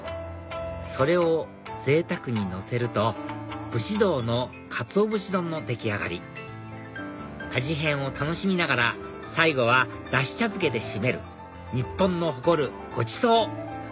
それをぜいたくにのせると節道のかつお節丼の出来上がり味変を楽しみながら最後はダシ茶漬けで締める日本の誇るごちそう！